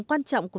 sự quan trọng của